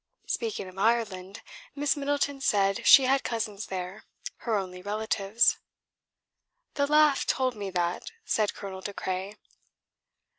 Speaking of Ireland, Miss Middleton said she had cousins there, her only relatives. "The laugh told me that," said Colonel De Craye.